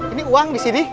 ini uang disini